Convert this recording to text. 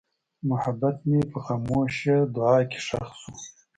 محبت مې په خاموشه دعا کې ښخ شو.